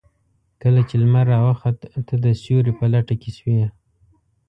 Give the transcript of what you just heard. کله چې لمر راوخت تۀ د سيوري په لټه کې شوې.